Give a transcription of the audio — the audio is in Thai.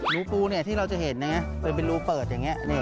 รูปูที่เราจะเห็นนะเป็นรูเปิดอย่างนี้